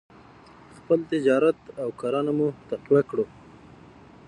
خپل تجارت او کرنه مو تقویه کړو.